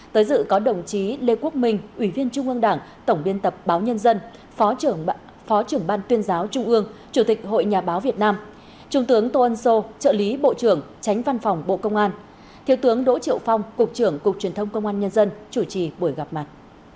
tới dự có đồng chí lê quốc minh ủy viên trung ương đảng tổng biên tập báo nhân dân phó trưởng ban tuyên giáo trung ương chủ tịch hội nhà báo việt nam trung tướng tô ân sô trợ lý bộ trưởng tránh văn phòng bộ công an thiếu tướng đỗ triệu phong cục trưởng cục truyền thông công an nhân dân chủ trì buổi gặp mặt